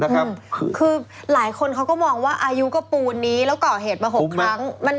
คือหลายคนเขาก็มองว่าอายุก็ปูนนี้แล้วก่อเหตุมา๖ครั้ง